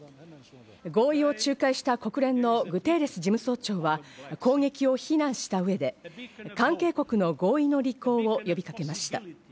合意を仲介した国連のグテーレス事務総長は、攻撃を非難した上で、関係国の合意の履行を呼びかけました。